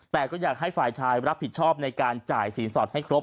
แต่ก็อยากให้ฝ่ายชายรับผิดชอบในการจ่ายสินสอดให้ครบ